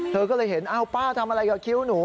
เธอก็เลยเห็นอ้าวป้าทำอะไรกับคิ้วหนู